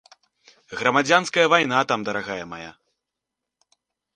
Грамадзянская вайна там, дарагая мая!